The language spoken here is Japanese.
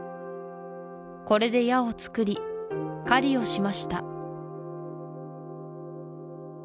これで矢を作り狩りをしました